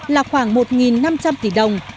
là khoảng một năm trăm linh tỷ đồng